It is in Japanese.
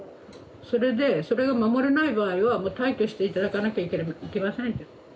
それでそれが守れない場合はもう退去して頂かなきゃいけませんって。